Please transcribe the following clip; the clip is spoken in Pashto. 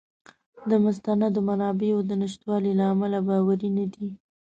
د مستندو منابعو د نشتوالي له امله باوری نه دی.